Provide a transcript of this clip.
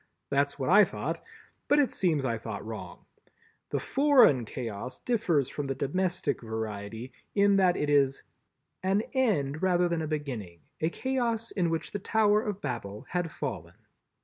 That's what I thought, but it seems I thought wrong. The Foreign Chaos differs from the Domestic variety in that it is "an end rather than a beginning, a Chaos in which the Tower of Babel had fallen."